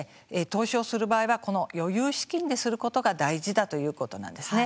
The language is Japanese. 投資をする場合は余裕資金ですることが大事だということなんですね。